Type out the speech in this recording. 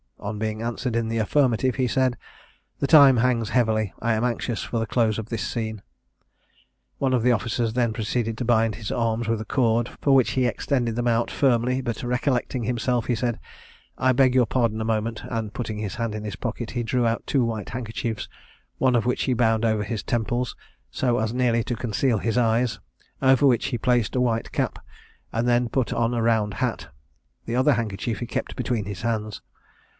On being answered in the affirmative, he said, "The time hangs heavily: I am anxious for the close of this scene." One of the officers then proceeded to bind his arms with a cord, for which he extended them out firmly; but recollecting himself, he said, "I beg your pardon a moment;" and putting his hand in his pocket, he drew out two white handkerchiefs, one of which he bound over his temples so as nearly to conceal his eyes, over which he placed a white cap, and then put on a round hat; the other handkerchief he kept between his hands.